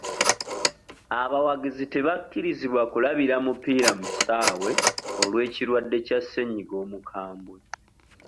Abawagizi tebakirizibwa kulabira mupiira mu kisaawe olw'ekirwadde Kya ssenyiga omukambwe.